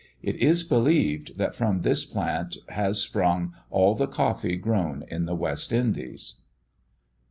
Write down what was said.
It is believed that from this plant has sprung all the coffee grown in the West Indies.